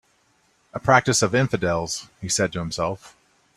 "A practice of infidels," he said to himself.